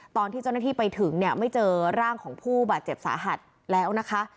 ตอนที่เจ้าหน้าที่ไปถึงเนี่ยไม่เจอร่างของผู้บาดเจ็บสาหัสแล้วนะคะ